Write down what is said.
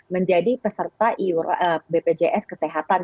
menjadi peserta bpjs kesehatan